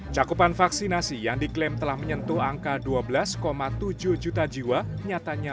cakupan vaksinasi yang diklaim telah menyentuh angka dua belas tujuh juta jiwa nyatanya